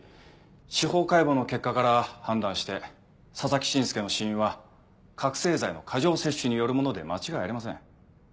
司法解剖の結果から判断して佐々木慎介の死因は覚醒剤の過剰摂取によるもので間違いありません。